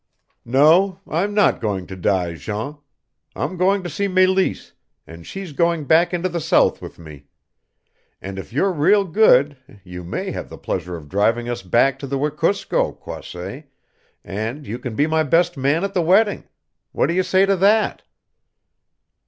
"No, I'm not going to die, Jean. I'm going to see Meleese, and she's going back into the South with me. And if you're real good you may have the pleasure of driving us back to the Wekusko, Croisset, and you can be my best man at the wedding. What do you say to that?"